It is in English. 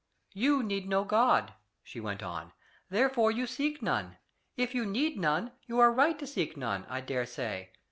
"You need no God," she went on, "therefore you seek none. If you need none, you are right to seek none, I dare say.